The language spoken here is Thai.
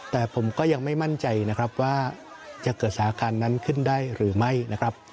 แต่ผมก็ยังไม่มั่นใจนะครับว่าจะเกิดสถานการณ์นั้นขึ้นได้หรือไม่นะครับ